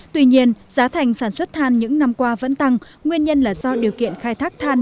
tuy nhiên giá thành sản xuất than những năm qua vẫn tăng nguyên nhân là do điều kiện khai thác than